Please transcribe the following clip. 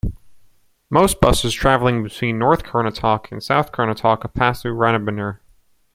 Most buses travelling between North Karnataka and South Karnataka pass through Ranebennur.